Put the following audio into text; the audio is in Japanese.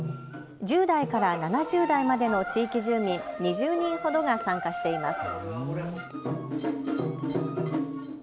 １０代から７０代までの地域住民、２０人ほどが参加しています。